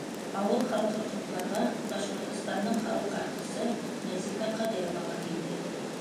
Ауыл халҡын ҡотларға Башҡортостандың халыҡ артисы Нәзифә Ҡадирова ла килде.